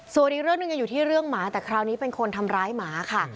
ส่วนอีกเรื่องหนึ่งยังอยู่ที่เรื่องหมาแต่คราวนี้เป็นคนทำร้ายหมาค่ะ